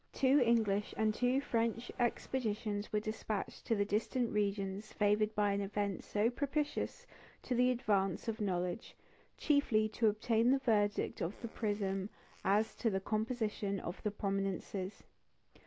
Two English and two French expeditions were despatched to the distant regions favoured by an event so propitious to the advance of knowledge, chiefly to obtain the verdict of the prism as to the composition of prominences.